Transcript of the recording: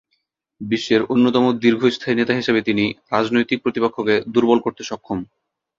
বিশ্বের অন্যতম দীর্ঘস্থায়ী নেতা হিসেবে তিনি রাজনৈতিক প্রতিপক্ষকে দূর্বল করতে সক্ষম।